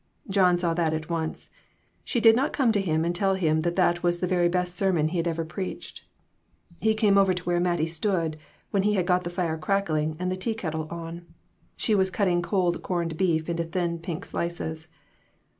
John saw that at once. She did not come to him and tell him that that was the very best sermon he had ever preached. He came over to where Mattie stood when he had got the fire to crackling and the tea kettle on. She was cutting cold corned beef into thin pink slices.